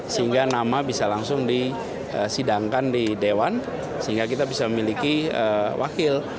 sehingga nama bisa langsung disidangkan di dewan sehingga kita bisa memiliki wakil